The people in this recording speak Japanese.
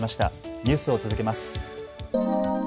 ニュースを続けます。